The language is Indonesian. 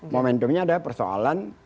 momentumnya ada persoalan